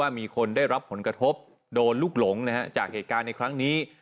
มีคนได้รับผลกระทบโดนลูกหลงจากเหตุการณ์ในครั้งนี้